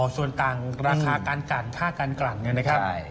อ๋อส่วนต่างราคาการกรรมท่าการกรรมเนี่ยนะครับ